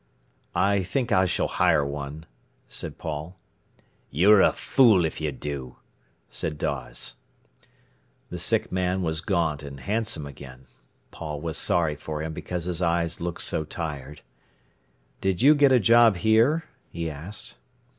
"I think I s'll hire one," said Paul. "You're a fool if you do," said Dawes. The sick man was gaunt and handsome again. Paul was sorry for him because his eyes looked so tired. "Did you get a job here?" he asked.